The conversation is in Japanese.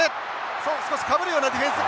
さあ少しかぶるようなディフェンス。